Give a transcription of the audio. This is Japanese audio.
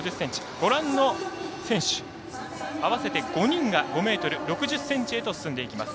ご覧の選手合わせて５人が５ｍ６０ｃｍへと進んでいきます。